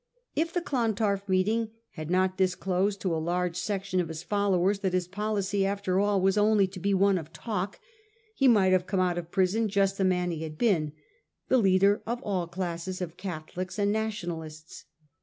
If the Clon tarf meeting had not disclosed to a large section of his followers that his policy after all was only to be one of talk, he might have come out of prison just the man he had been, the leader of all classes of Catholics and Nationalists.